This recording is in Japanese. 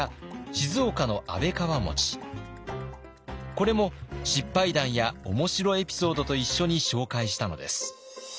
これも失敗談や面白エピソードと一緒に紹介したのです。